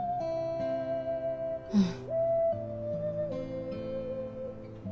うん。